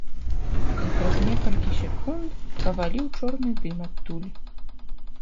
І праз некалькі секунд паваліў чорны дым адтуль.